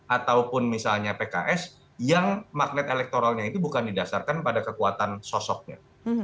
ataupun misalnya pks yang magnet elektoralnya itu bukan didasarkan pada kekuatan sosoknya